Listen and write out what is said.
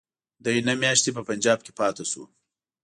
دی نهه میاشتې په پنجاب کې پاته شو.